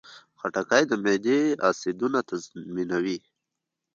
خټکی د معدې اسیدونه تنظیموي.